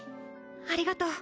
ありがとう。